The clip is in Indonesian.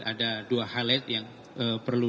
ada dua highlight yang perlu